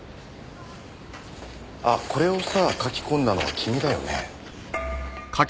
あっこれをさあ書き込んだのは君だよね？